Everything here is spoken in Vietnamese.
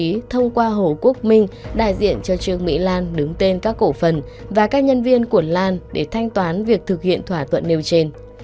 nguyễn cao trí thông qua hồ quốc minh đại diện cho trương mỹ đan đứng tên các cổ phần và các nhân viên của đan để thanh toán việc thực hiện thỏa thuận nêu trên